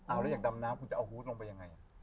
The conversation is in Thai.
เอาแล้วอยากดำน้ำคุณจะเอาฮูตลงไปยังไง